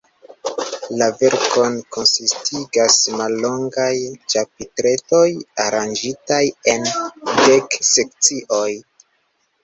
La verkon konsistigas mallongaj ĉapitretoj, aranĝitaj en dek sekcioj.